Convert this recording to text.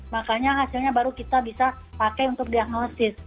makanya hasilnya baru kita bisa pakai untuk diagnosis